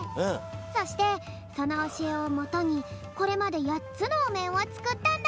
そしてそのおしえをもとにこれまで８つのおめんをつくったんだぴょん。